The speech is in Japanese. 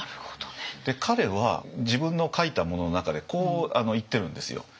彼は自分の書いたものの中でこう言ってるんですよ。